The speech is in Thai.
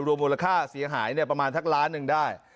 มูลค่าเสียหายประมาณทักล้านหนึ่งได้